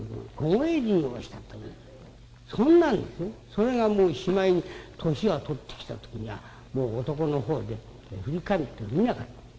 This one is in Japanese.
それがもうしまいに年を取ってきた時にはもう男のほうで振り返ってもみなかった。